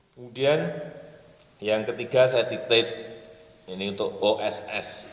kemudian yang ketiga saya titip ini untuk oss